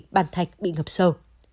bản thạch bị ngập sâu